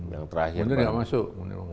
munir tidak masuk